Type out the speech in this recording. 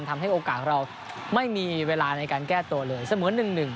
ทำให้โอกาสเราไม่มีเวลาในการแก้ตัวเลยเสมอ๑๑